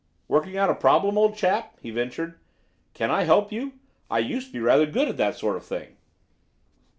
"Working out a problem, old chap?" he ventured. "Can I help you? I used to be rather good at that sort of thing."